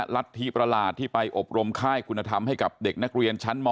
รัฐธิประหลาดที่ไปอบรมค่ายคุณธรรมให้กับเด็กนักเรียนชั้นม๔